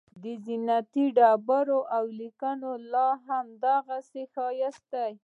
زینتي ډبرې او لیکنې لاهم هماغسې ښایسته دي.